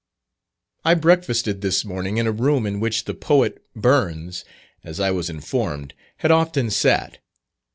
I breakfasted this morning in a room in which the Poet Burns, as I was informed, had often sat.